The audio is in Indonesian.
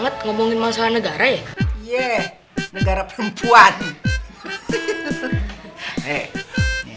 ya udah kalau belom dikasih anaknya sudah kayak gini enggak resiko udah terusche nanti